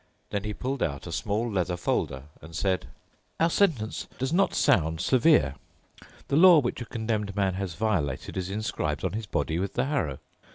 Then he pulled out a small leather folder and said, "Our sentence does not sound severe. The law which a condemned man has violated is inscribed on his body with the harrow.